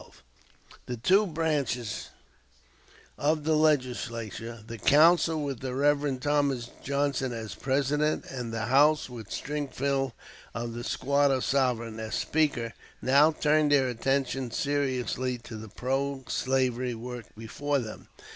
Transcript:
] The two branches of the Legislature, the Council with the Rev. Thomas Johnson as President, and the House with Stringfellow of the "Squatter Sovereign" as Speaker, now turned their attention seriously to the pro slavery work before them.